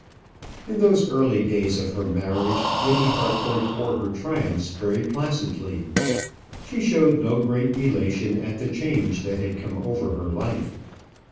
In those early days of her marriage, Lady Harcourt bore her triumphs very placidly. She showed no great elation at the change that had come over her life.